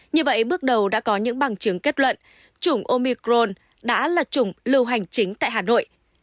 như vậy bước đầu đã có những bằng chứng kết luận chủng omicron đã là chủng lưu hành chính tại hà nội